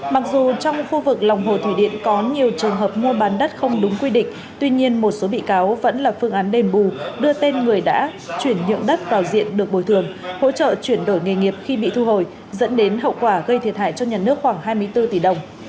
mặc dù trong khu vực lòng hồ thủy điện có nhiều trường hợp mua bán đất không đúng quy định tuy nhiên một số bị cáo vẫn là phương án đền bù đưa tên người đã chuyển nhượng đất vào diện được bồi thường hỗ trợ chuyển đổi nghề nghiệp khi bị thu hồi dẫn đến hậu quả gây thiệt hại cho nhà nước khoảng hai mươi bốn tỷ đồng